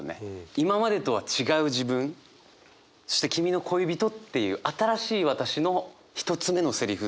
今までとは違う自分そして君の恋人っていう新しい私の一つ目のセリフだから。